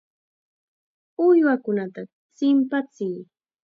Uywakunata chimpachiy.